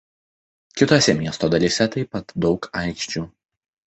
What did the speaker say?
Kitose miesto dalyse taip pat daug aikščių.